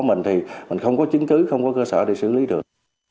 mình thì mình không có chứng cứ không có cơ sở để xử lý được